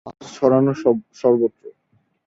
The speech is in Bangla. পাথর ছড়ানো সর্বত্র।